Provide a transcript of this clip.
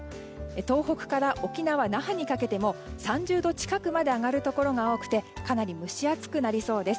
東北から沖縄・那覇にかけても３０度近くまで上がるところが多くてかなり蒸し暑くなりそうです。